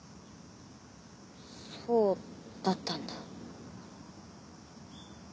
そうだったんだ。